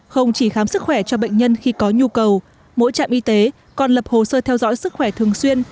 không chỉ khám sức khỏe cho bệnh nhân khi có nhu cầu mỗi trạm y tế còn lập hồ sơ theo dõi sức khỏe thường xuyên